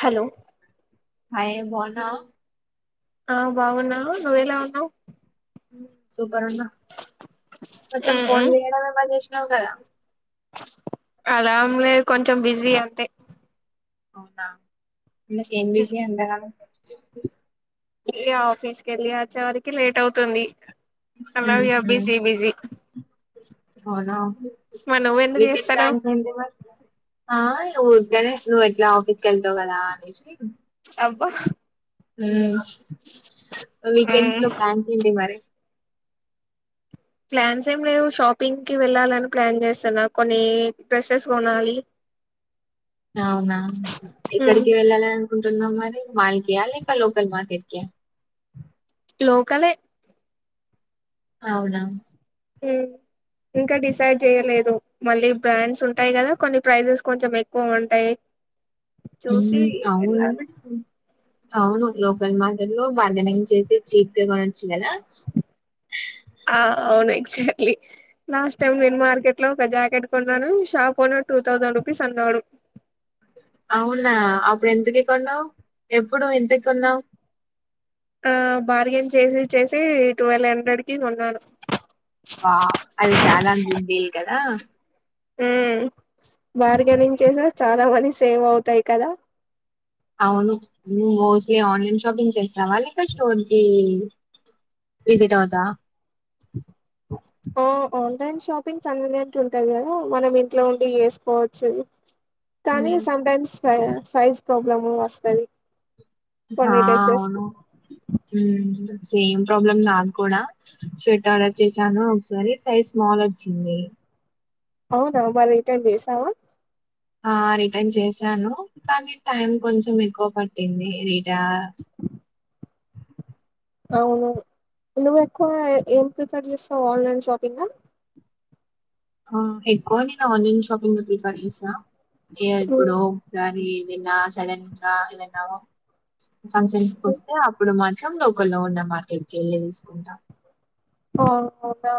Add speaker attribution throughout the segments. Speaker 1: Hello
Speaker 2: hi బావునవ్
Speaker 1: ఆ బాగున్నావు నువ్వెలా ఉన్నావు
Speaker 2: సూపర్ ఉన్నా మొత్తం ఫోండ్లు చేయడమే బంద్ చెస్ న్నవ్ కదా
Speaker 1: అమ్లేదు కొంచెం బిజీ అంతే
Speaker 2: అవునాా ఎందుకు ఎమ్ బిజీ అంతాగణం చా పి
Speaker 1: ఏ ఆఫీస్కి వెళ్ళి వచ్చే వరకి లేట్ అవుతుంది అలావియ
Speaker 2: ఉహు
Speaker 1: బిజ బిజ
Speaker 2: అవునా వీకెండ్
Speaker 1: చేస్తాలేవ్
Speaker 2: ప్లాన్స్ ఏంటి మరి ఉర్కేన్ నువ్వు ఎట్లా ఆఫీస్ క వెళ్తావు కదా అనేసి
Speaker 1: అబ్బా
Speaker 2: ఉమ్ వీకెండ్స్
Speaker 1: మ్మ్.
Speaker 2: లో ప్లాన్స్ ఎంటి మరి
Speaker 1: ప్లాన్స్ ఏం లేవు షాపింగ్కి వెళ్ళాలని ప్లాన్ చేస్తున్నా కొన్ని డ్రెస్సెస్ కొనాలి
Speaker 2: అవునా
Speaker 1: మ్మ్.
Speaker 2: ఎక్కడికి వెళ్ళాలి అనుకుంటున్నావ్ మరి ఇంటికి యంల్ని కా లోకల్ మార్కెట్ కి
Speaker 1: లోకలే
Speaker 2: అవునా
Speaker 1: హు ఇంకా డిసైడ్ చేయలేదు మళ్ళీ బ్రాండ్స్ ఉంటాయి కదా కొన్ని ప్రైజెస్ కొంచెం ఎక్కువ ఉంటాయి
Speaker 2: హు
Speaker 1: చూసి
Speaker 2: అవును
Speaker 1: వెళ్ళాలి
Speaker 2: అవును లోగల్ మా లో బార్గనింగ్ చేసి చీట్గా కొనొచ్చు కదా
Speaker 1: చెర్లి లాస్ట్ టైమ్ నేను మార్కెట్ లో ఒక జాకెట్ కొన్నాను shop owner two thousand rupees అన్నాడు
Speaker 2: అవునా అప్పుడు ఎంతకి కొన్నావు ఎప్పుడు ఇంతకి కొన్నావు
Speaker 1: ఆ బార్గెన్ చేసి చేసి ట్వెల్వ్ హండ్రెడ్ కి కొన్నాను
Speaker 2: వావ్ అది చాలా గుడ్డే కదా
Speaker 1: హు మ్ బార్గెనింగ్ చేసా చాలా మని సేవ్ అవుతాయి కదా
Speaker 2: అవును నువ్వు మోస్ట్లీ ఆన్లైన్ షాపింగ్ చేస్తావా లేక స్టోర్ కి విజిట్ అవుతావ
Speaker 1: ఓ ఆన్లైన్ షాపింగ్ కన్వీనియంట్ ఉంటది కదా మనం ఇంట్లో ఉండి చేసుకోవచ్చు కానీ
Speaker 2: మ్మ్.
Speaker 1: సంటైమ్స్ ఆ సైజ్ ప్రాబ్లం వస్తది
Speaker 2: హా
Speaker 1: కొన్ని డ్రెస్సెస్
Speaker 2: అవును హు సేమ్ ప్రాబ్లమ్ నాకు కూడా షర్ట్ ఆర్డర్ చేశాను ఒకసారి సైజ్ స్మాల్ వచ్చింది
Speaker 1: అవునా మరి రిటన్ చేసావా
Speaker 2: ఆ రిటర్న్ చేశాను కానీ టైం కొంచెం ఎక్కువ పట్టింది రి యా
Speaker 1: అవును నువ్వు ఎక్కువ ఏం ప్రిఫేర్ చేస్తావు ఆన్లైన్ షాపింగ
Speaker 2: ఆ ఎక్కువ నేను ఆన్లైన్ షాపింగ్ ప్రిఫర్ చేసా ఏ ఇప్పుడు ఉగాది నిన్న సడెన్సా నిన్నవో ఫంక్షన్ కి
Speaker 1: ఆ
Speaker 2: వస్తే అప్పుడు మంచి ం లోకల్లో ఉన్న మార్కెట్కి వెళ్ళి తీసుకుంటా
Speaker 1: అవును అవునా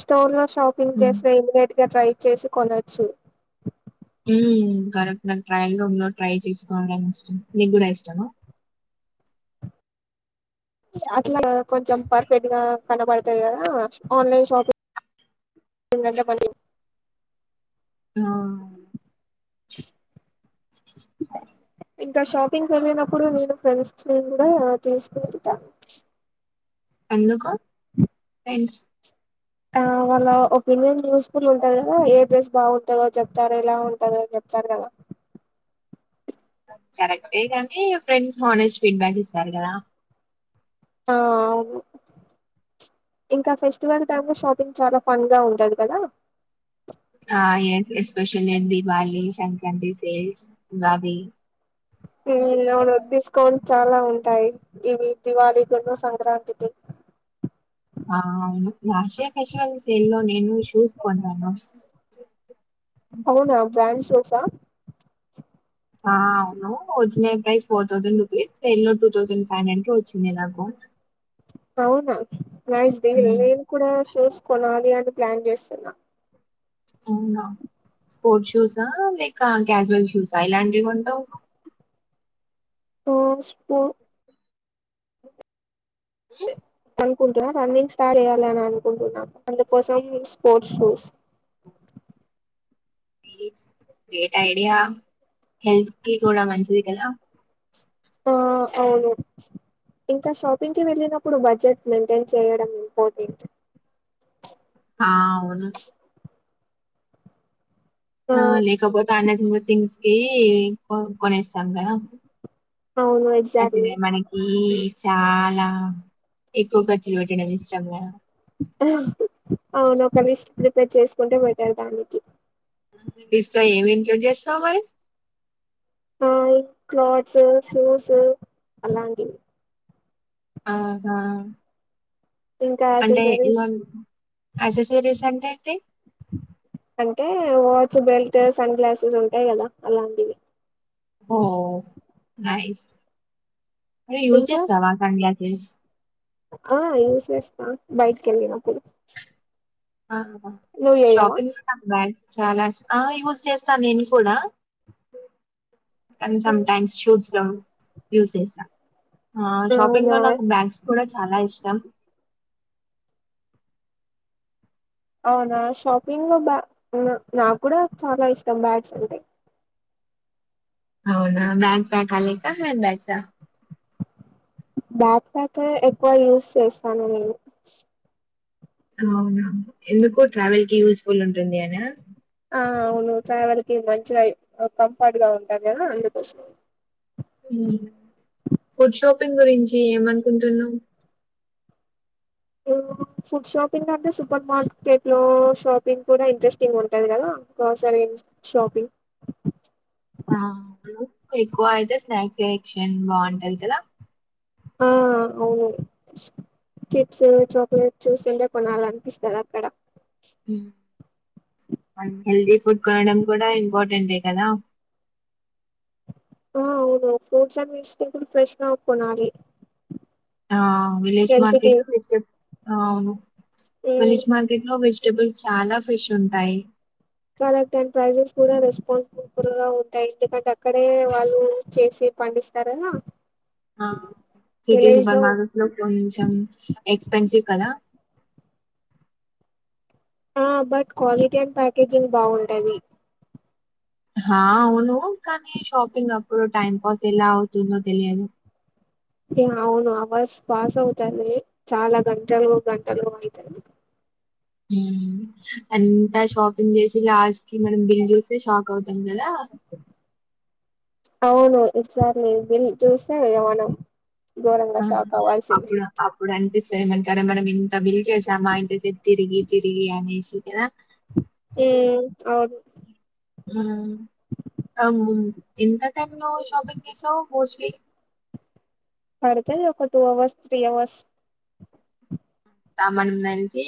Speaker 1: స్టోర్ లో షాపింగ్ చేస్తే ఇమిడియట్ గా ట్రై చేసి కొనొచ్చు
Speaker 2: హు కరెక్ట్ నాకు ట్రయల్ రూమ్ లో ట్రై చేసుకోవడం ఇష్టం నీకు కూడా ఇష్టమా
Speaker 1: ఆ ట్ల కొంచెం పర్ఫెక్ట్ గా కనపడుతది కదా ఆన్లైన్ షాపింగ్ గంటే మని
Speaker 2: ఆ
Speaker 1: ఇంకా షాపింగ్ వెళ్ళినప్పుడు నేను ఫ్రెండ్స్ ని కూడా తీసుకు వెళ్తా
Speaker 2: ఎందుకు ఫ్రెండ్స్
Speaker 1: ఆ వాళ్ళ ఒపీనియన్ యూస్ఫుల్ ఉంటాది కదా ఏ డ్రెస్ బాగుంటదో చెప్తారో ఎలా ఉంటదో చెప్తారు కదా
Speaker 2: కరెక్టే కాని ఫ్రెండ్స్ హానెస్ట్ ఫీడ్బ్యాక్ ఇస్తారు కదా
Speaker 1: ఆ అవును ఇంకా ఫెస్టివల్ టైమ్ లో షాపింగ్ చాలా ఫన్ గా ఉంటది కదా
Speaker 2: ఆ ఏం ఎస్పెషలీ దివాళి, సంక్రాంతి సేల్స్ ఉగాది
Speaker 1: ఉ అవును డిస్కౌంట్ చాలా ఉ టాయి ఇవి దివాళీ, సంక్రాంతికి
Speaker 2: ఆ అవును ఆశా ఫేషల్ సేల్ లో నేను షూస్ కొన్నాను
Speaker 1: అవునా బ్రాంచ్ షూసా
Speaker 2: ఆ అవును original price four thousand rupees sale లో టూ థౌజండ్ ఫైవ్ హండ్రెడ్ వచ్చింది నాకు
Speaker 1: అవునా నైస్ దేన్
Speaker 2: హ్మ్.
Speaker 1: నేను కూడా షూస్ కొనా అని ప్లాన్ చేస్తున్నా
Speaker 2: అవునా స్పోర్ట్ షూసా లేకా క్యాజువల్ షూసా ఏలాంటివి కొంటావు
Speaker 1: స్పోర్ట్స్ పో
Speaker 2: ఇ
Speaker 1: అంటున్నా రన్నింగ్ స్టార్ట్ చేయాలి అని అనుకుంటున్నాను అందు కోసం స్పోర్ట్స్ షూస్
Speaker 2: ప్జ్ గ్రేట్ ఐడియా హెల్త్ కి కూడా మంచిది కదా
Speaker 1: ఆ అవును ఇంకా షాపింగ్కిి వెళ్ళినప్పుడు బడ్జెట్ మెయింటైన్ చేయడం ఇంపార్టెంట్
Speaker 2: ఆ అవును ఆ లేకపోతే అన్నది థింగ్స్ ఏ కొనే సంగా
Speaker 1: అవును
Speaker 2: అది
Speaker 1: ఎగ్జాక్ట్లీ
Speaker 2: మనకి చాలా ఎక్కువ ఖర్చులు పెట్టడం ఇష్టంగా
Speaker 1: అవునుక్క లిస్ట్ ప్రిపేర్ చేసుకుంటే పెట్టారు దానికి
Speaker 2: లిస్ట్ లో ఏమి ఇంక్లూడ్ చేస్తావు మరి
Speaker 1: ఆ క్లాత్స్ షూస్ అలాంటివి
Speaker 2: ఆహా
Speaker 1: ఇంకా ఆశే సరేష్
Speaker 2: యాస శిరీష్ అంటే ఏంటి
Speaker 1: అంటే వాచ్ బెల్ట్ సన్ గ్లాసెస్ ఉంటాయి కదా అలాంటివి
Speaker 2: ఓ నైస్ అరే యూస్
Speaker 1: ఇంకా
Speaker 2: చేస్తావా సన్ గ్లాసెస్ ప్లేస్
Speaker 1: ఆ యూసేస్తా బయటికి వెళ్ళినప్పుడు
Speaker 2: అ హ
Speaker 1: నువ్వు చేయవా
Speaker 2: షోపింగ్లా బాల్ చాలా యూస్ చేస్తా నేను కూడా కనీసం టైమ్స్ షుట్ లో యూస్ చేస్తా ఆ షాపింగ్
Speaker 1: అవునా
Speaker 2: లో నాకు బ్యాగ్స్ కూడా చాలా ఇష్టం
Speaker 1: అవునా షాపింగ్ లో బ నాకు కూడా చాలా ఇష్టం బ్యాగ్స్ అంటే
Speaker 2: అవునా బ్యాగ్ ప్యాక్ అల హ్యాండ్ బ్యాగ్స్ ఆ
Speaker 1: బ్యాక్ ప్యాక్ ఎక్కువ యూజ్ చేస్తాను నేను
Speaker 2: అవునా ఎందుకు ట్రావెల్ కి యూస్ ఫుల్ ఉంటుంది అనా
Speaker 1: ఆ అవును ట్రావెల్ మంచిగా కంఫర్ట్ గా ఉంటుంది కదా అందుకోసం
Speaker 2: ఫుడ్ షాపింగ్ గురించి ఏమనుకుంటున్నా
Speaker 1: ఫుడ్ షాపింగ్ అంటే సూపర్ మార్కెట్ లో షాపింగ్ కూడా ఇంట్రెస్టింగ్ ఉంటంది కదా ఒంసర షాపింగ్
Speaker 2: ఆ ఎక్కువ అయితే స్నాక్ ఎయిచ్చేయండి బాగుంటాది కదా
Speaker 1: ఆ అవును చిప్స్ చాక్లెట్ చూస్ ఉంటే కొనాల అనిపిస్తంది అక్కడ
Speaker 2: హెల్దీ ఫుడ్ కొనడం కూడా ఇంపార్టెంటే కదా
Speaker 1: ఆ అవును ఫ్రూట్స్ అండ్ వెజిటేబుల్ ఫ్రెష్గా కొనాలి
Speaker 2: విలేజ్
Speaker 1: హెల్త్ కి
Speaker 2: మార్కట్ లోవేజీటేబుల్
Speaker 1: ఉమ్,
Speaker 2: విలేజ్ మార్కెట్ లో వెజిటేబుల్ చాలా ఫ్రిష్ ఉంటాయి
Speaker 1: కారక్ టన్ ప్రైజెస్ కూడా రెస్పాన్స్బుల్ గా ఉంటాయి ఎందుకంటే అక్కడే వాళ్ళు చేసి పండిస్తారు కదా
Speaker 2: సిటీ సూపర్ మార్కెట్స్ లో కొంచెం ఎక్స్పెన్సివ్ కదా
Speaker 1: ఆ బట్ క్వాలిటీ అండ్ ప్యాకేజింగ్ బాగుంటది
Speaker 2: ఆ అవును కానీ షాపింగ్ అప్పుడు టైం పాస్ ఎలా అవుతుందో తెలియదు
Speaker 1: అవును అవర్స్ పాస్ అవుతది చాలా గంటలు గంటలు అయితది
Speaker 2: అంతా షాపింగ్ చేసి లాస్ట్ కి మనం బిల్ చూస్తే షాక్ అవుతాం కదా
Speaker 1: అవును ఎసార్లీ చూస్తా ఏమను
Speaker 2: అప్పుడు అప్పుడు అన్ని పిస్తయమంటారా మనం ఇంత బిల్ చేసామా ఇంతసేపు తిరిగి తిరిగి అనేసి కదా
Speaker 1: ఉ అవును
Speaker 2: హు ఆవును ఎంత తెను షాపింగ్ చేసావ్ మోస్ట్లీ
Speaker 1: పడుతుంది ఒక టూ అవర్స్ త్రీ అవర్స్
Speaker 2: మనం అలిసి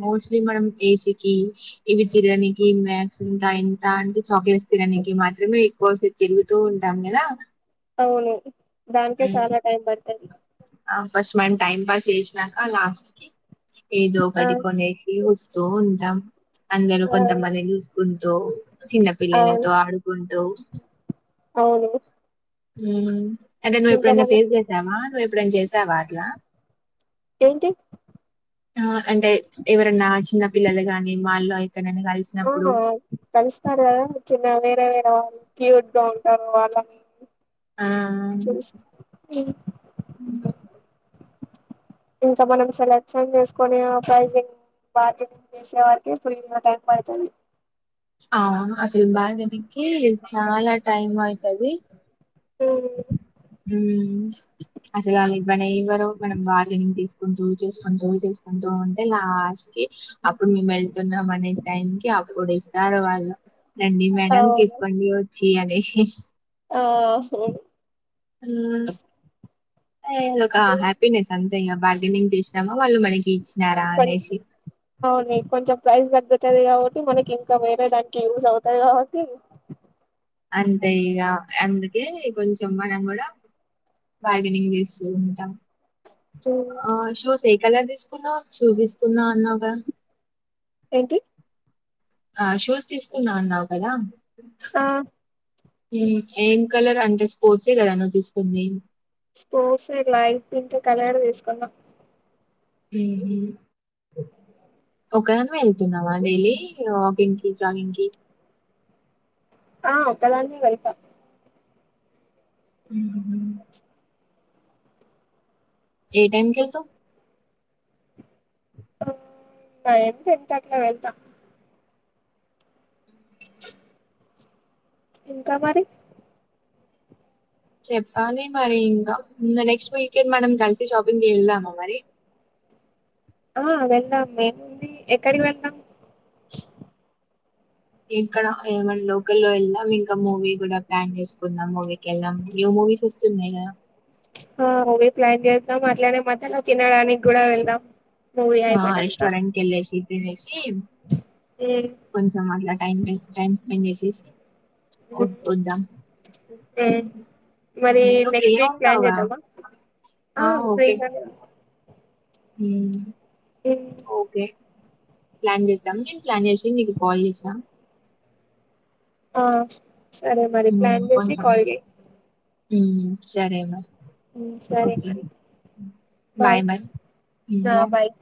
Speaker 2: మోస్ట్లీ మనం ఏసీకి ఇవి తరానికి మ్యాక్సి ఇంకా ఎంత అంటే చాక్లెట్స్ తరనికి మాత్రమే ఎక్కువసేపు తిరుగుతూ ఉంటాం కదా
Speaker 1: అవును దానికే చాలా టైం పడుతుంది
Speaker 2: ఆ ఫస్ట్ మన టైం పాస్ చేసినాక లాస్ట్ కి ఏ దో ఒకటి
Speaker 1: అవును
Speaker 2: కొనేసి వస్త చో ఉంటాం అందరూ
Speaker 1: ఆ
Speaker 2: కొంతమంది చూ ఉంటూ చిన్న
Speaker 1: అవును
Speaker 2: పిల్లలతో ఆడుకుంటూ
Speaker 1: అవును
Speaker 2: హ అంటే నువ్వు
Speaker 1: ఇంకా
Speaker 2: ఎప్పుడైనా
Speaker 1: మన
Speaker 2: ఫేస్ చేసావా నువ్వు ఎప్పుడైనా చేసావా అట్లా
Speaker 1: ఏంటి
Speaker 2: అంటే ఎవరన్నా చిన్న పిల్లలు కాగాని మాళ్ళ అయితే
Speaker 1: ఆ కలిస్తస్తారు అదా చిన్న వేరే వేర వాళ్ళు క్యూడ్ ఉంటారు వాళ్ళ
Speaker 2: ఆ
Speaker 1: చేసి అ ఇంకా మనం సెలెక్షన్ చేసుకుొని ప్రైజింగ్ బార్గెనింగ్ చేసే వారికి ఫుల్ టైం పడుతుంది
Speaker 2: ఆ అసలు బాగానికి చాలా టైం అయితది
Speaker 1: అ
Speaker 2: అసల్ ఆల్ ఇవ్వనే ఇవ్వరు మనం బార్గెనింగ్ తీస్కుంటూ, చేస్కుంటూ, చేస్కుంటూ ఉంటే లాస్ట్కి అప్పుడు మేం ఎళ్తున్నాం అనే టైంకి అప్పుడు ఇస్తారు వాళ్ళు రండి మేడం
Speaker 1: అవును
Speaker 2: తీసుకోండి వ జీ అనేేషి
Speaker 1: ఆహో
Speaker 2: అవు నేనుఒక హ్యాపీనెస్ అంతే ఇ బార్గెనింగ్ చేసినామాో వాళ్ళు మనకి ఇచ్చినారా
Speaker 1: కొం
Speaker 2: అనేసి
Speaker 1: అవును కొంచెం ప్రైస్ తగ్గుతది కాబట్టి మనకి ఇంకా వేరే దానికి యూజ్ అవుతాయి కాబట్టి
Speaker 2: అంతే ఇక అందుకే కొంచెం మనం కూడా బగనింగ్ చేస్తూ ఉంటాం
Speaker 1: ఉమ్,
Speaker 2: ఆ షో సే ఎలా తీసుకున్నావు్ షూ తీసుకున్నావు్ అన్నవుగా
Speaker 1: ఏంటి
Speaker 2: ఆ షూస్ తీసుకున్నా అన్నావు కదా
Speaker 1: ఆ
Speaker 2: ఏం కలర్ అంటే స్పోర్ట్సే కదా నువ్వు తీస్కుంది.
Speaker 1: స్పోర్ట్సే లైట్ పింక్ కలర్ తీస్కున్న
Speaker 2: హ్ ఒక్కదాన్వే ఎళ్తున్నవా డైలీ వాకింగ్కి, జాగింగ్కి
Speaker 1: ఆ ఒక్కదాన్నే వెళ్త
Speaker 2: మ్ ఏ టైమ్కి యెల్తవ్
Speaker 1: ఆ నైన్ టెన్కి అట్ల వెళ్త ఇంకా మరి
Speaker 2: చెప్పాలి మరి ఇంకా నెక్స్ట్ వీకెండ్ మనం కలిసి షాపింగ్కి వెళ్దామా మరి
Speaker 1: ఆ వెళ్దాం ఏముంది. ఎక్కడికి వెళ్దాం
Speaker 2: ఇక్కడ ఏ మన లోకల్లో వెళ్దాం ఇంకా మూవీ కూడా ప్లాన్ చేసుకుందాం మూవీకెల్డాం న్యూ మూవీస్ వస్తున్నాయి కదా
Speaker 1: ఆ అవే ప్లాన్ చేద్దాం అట్లనే మధ్యల తినడానికి గుడా వెళ్దాం మూవీ
Speaker 2: ఆ
Speaker 1: అయిపోయినంక
Speaker 2: రెస్టారెంట్ కెళ్ళేసి తినేసి
Speaker 1: ఉమ్
Speaker 2: కొంచెం అట్ల టై టైమ్ స్పెండ్ చేసి చేసి
Speaker 1: మరి
Speaker 2: హ్మ్. నువ్వు
Speaker 1: నెక్స్ట్
Speaker 2: ఫ్రీగా
Speaker 1: వీక్ ప్లాన్
Speaker 2: ఉంటావుగా?
Speaker 1: చేద్దామా ఆ ఫ్రీగనే
Speaker 2: హ్ ఓకే ప్లాన్ చేద్దాం నేన్ ప్లాన్ చేసి నీకు కాల్ చేస్తా
Speaker 1: ఆ సరే మరి ప్లాన్ చేసి కాల్ చెయి
Speaker 2: హ్ సరే మ
Speaker 1: ఉమ్ సరే బాయ్
Speaker 2: హ్మ్.
Speaker 1: నా
Speaker 2: బాయ్.
Speaker 1: బయ్